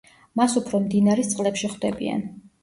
მას უფრო მდინარის წყლებში ხვდებიან.